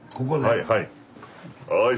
はいはい。